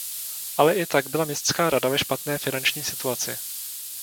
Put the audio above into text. Ale i tak byla Městská rada ve špatné finanční situaci.